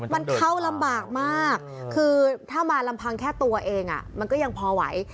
มันเข้าลำบากมากคือถ้ามาลำพังแค่ตัวเองมันก็ยังพอไหว